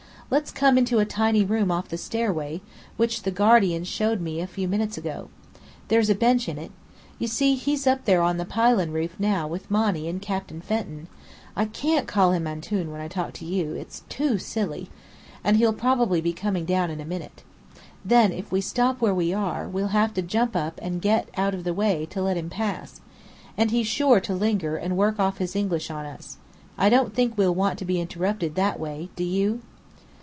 "Let's come into a tiny room off the stairway, which the guardian showed me a few minutes ago. There's a bench in it. You see, he's up there on the pylon roof now with Monny and Captain Fenton (I can't call him Antoun when I talk to you; its too silly!) and he'll probably be coming down in a minute. Then, if we stop where we are, we'll have to jump up and get out of the way, to let him pass. And he's sure to linger and work off his English on us. I don't think we'll want to be interrupted that way, do you?"